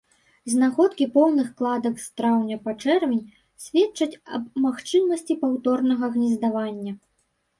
Знаходкі поўных кладак з траўня па чэрвень сведчаць аб магчымасці паўторнага гнездавання.